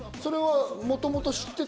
もともと知ってた？